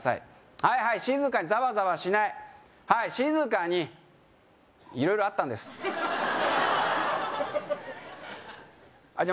はいはい静かにザワザワしないはい静かに色々あったんですじゃあ